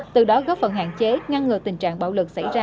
từ đó góp phần hạn chế ngăn ngừa tình trạng bạo lực xảy ra